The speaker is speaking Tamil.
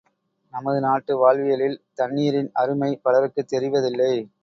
நமது நாட்டு வாழ்வியலில் தண்ணீரின் அருமை பலருக்குத் தெரிவதில்லை.